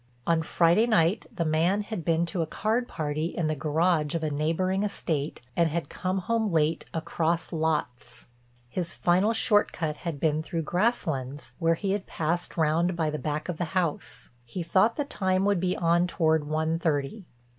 On Friday night the man had been to a card party in the garage of a neighboring estate and had come home late "across lots." His final short cut had been through Grasslands, where he had passed round by the back of the house. He thought the time would be on toward one thirty.